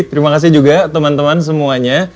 terima kasih juga teman teman semuanya